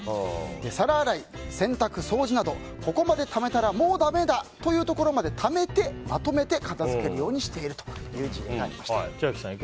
皿洗い、洗濯、掃除などここまでためたら、もうだめだというところまでためてまとめて片付けるようにしているという事例がありました。